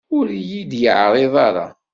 Ur yi-d-yeɛriḍ ara.